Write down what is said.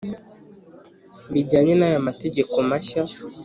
bijyanye n’aya mategeko mashya,